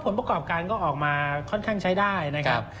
ประกอบการก็ออกมาค่อนข้างใช้ได้นะครับ